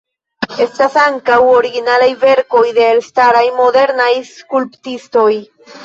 Estas ankaŭ originalaj verkoj de elstaraj modernaj skulptistoj.